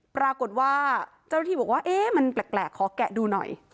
ปรากฏว่าเจ้าหน้าที่บอกว่าเอ๊ะมันแปลกขอแกะดูหน่อย